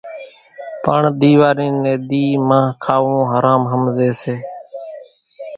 پڻ ۮيواري ني ۮِي مانۿ کاوون حرام ۿمزي سي